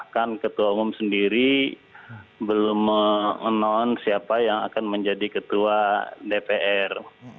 bahkan ketua umum sendiri belum menon siapa yang akan menjadi ketua dpr